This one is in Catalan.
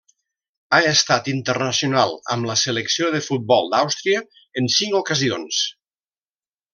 Ha estat internacional amb la Selecció de futbol d'Àustria en cinc ocasions.